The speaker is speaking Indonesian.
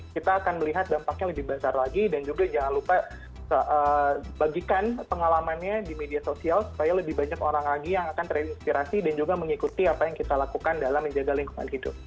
kita akan melihat dampaknya lebih besar lagi dan juga jangan lupa bagikan pengalamannya di media sosial supaya lebih banyak orang lagi yang akan terinspirasi dan juga mengikuti apa yang kita lakukan dalam menjaga lingkungan hidup